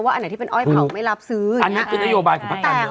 ว่าอันนั้นที่เป็นอ้อยเผาไม่รับซื้ออันนั้นกิจนโยบายของภาคกรรม